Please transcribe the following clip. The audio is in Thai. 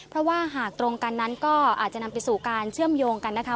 เพราะว่าหากตรงกันนั้นก็อาจจะนำไปสู่การเชื่อมโยงกันนะคะ